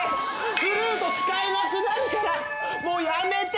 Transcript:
フルート使えなくなるからもうやめて！